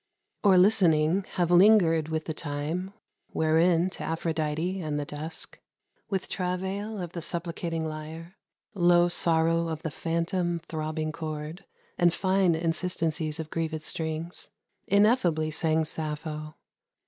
Or listening, have lingered with the time Wherein, to Aphrodite and the dusk, With travail of the supplicating lyre, (Low sorrow of the phantom, throbbing chord, And fine insistencies of grieved strings!) Ineffably sang Sappho.